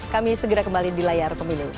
kami segera kembali di layar pemilu